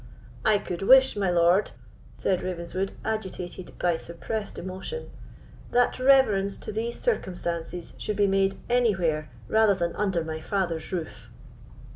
"I could wish, my lord," said Ravenswood, agitated by suppressed emotion, "that reference to these circumstances should be made anywhere rather than under my father's roof."